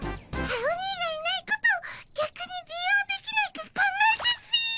アオニイがいないことをぎゃくに利用できないか考えたっピィ！